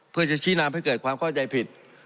เพื่อจะชี้นำให้เกิดความเข้าใจผิด